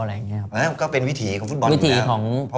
ห้ะก็เป็นวิถีของฟุตบอล